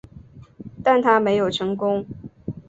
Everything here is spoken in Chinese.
但它没有成功。